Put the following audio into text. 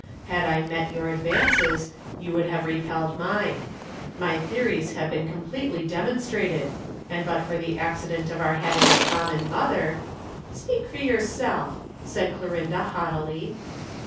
Had I met your advances, you would have repelled mine. My theories have been completely demonstrated, and but for the accident of our having a common mother " "Speak for yourself," said Clorinda haughtily.